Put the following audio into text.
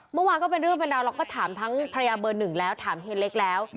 เมื่อวานก็เป็นเรื่องเป็นราวเราก็ถามทั้งภรรยาเบอร์หนึ่งแล้วถามเฮียเล็กแล้ว